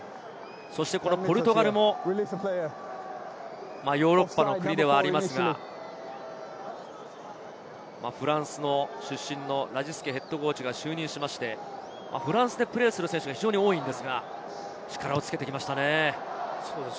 そしてポルトガルもヨーロッパの国ではありますが、フランス出身のラジスケＨＣが就任して、フランスでプレーする選手が非常に多いんですが、力をつけてきましたね。